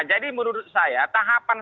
jadi menurut saya tahapan